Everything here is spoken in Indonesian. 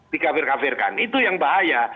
dikafir kafirkan itu yang bahaya